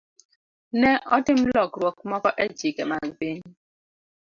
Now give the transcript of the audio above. Ne otim lokruok moko e chike mag piny.